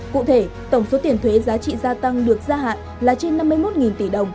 cụ thể tổng số tiền thuế giá trị gia tăng được gia hạn là trên năm mươi một tỷ đồng